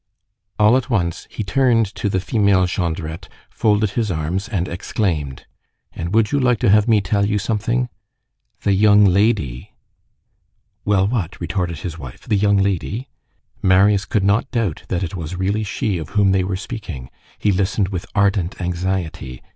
All at once, he turned to the female Jondrette, folded his arms and exclaimed:— "And would you like to have me tell you something? The young lady—" "Well, what?" retorted his wife, "the young lady?" Marius could not doubt that it was really she of whom they were speaking. He listened with ardent anxiety.